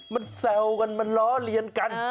มันแซวกันมันล้อเลียนกัน